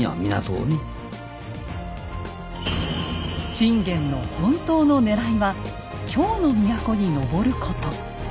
信玄の本当のねらいは京の都に上ること。